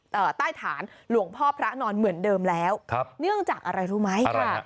ใต้ฐานหลวงพ่อพระนอนเหมือนเดิมแล้วครับเนื่องจากอะไรรู้ไหมค่ะ